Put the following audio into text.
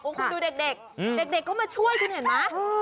คุณดูเด็กเด็กก็มาช่วยคุณเห็นไหม